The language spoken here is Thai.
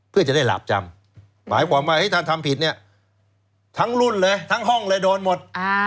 เพื่อจะได้หลาบจำหมายความว่าถ้าทำผิดเนี่ยทั้งรุ่นเลยทั้งห้องเลยโดนหมด